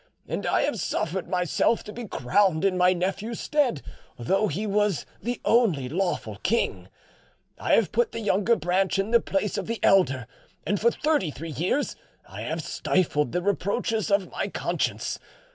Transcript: And I have suffered myself to be crowned in my nephew's stead, though he was the only lawful king; I have put the younger branch in the place of the elder, and for thirty three years I have stifled the reproaches of my conscience.